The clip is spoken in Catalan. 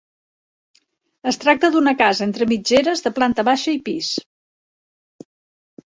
Es tracta d'una casa entre mitgeres, de planta baixa i pis.